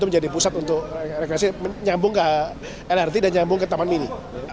menjadi pusat untuk rekreasi menyambung ke lrt dan nyambung ke taman mini